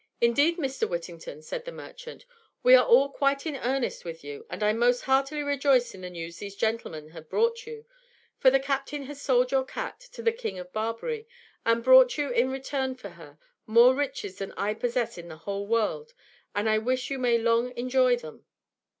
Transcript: "Indeed, Mr. Whittington," said the merchant, "we are all quite in earnest with you, and I most heartily rejoice in the news these gentlemen have brought you; for the captain has sold your cat to the King of Barbary, and brought you in return for her more riches than I possess in the whole world; and I wish you may long enjoy them!"